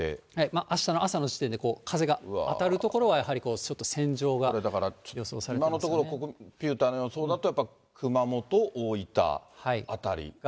あしたの朝の時点で風が当たる所はちょっと線状が予想されて今のところ、コンピューターの予想だと、やっぱ熊本、大分辺りが。